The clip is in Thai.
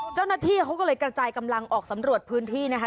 เจ้าหน้าที่เขาก็เลยกระจายกำลังออกสำรวจพื้นที่นะคะ